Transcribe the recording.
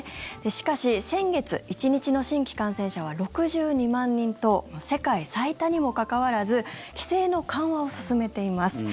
しかし、先月１日の新規感染者は６２万人と世界最多にもかかわらず規制の緩和を進めています。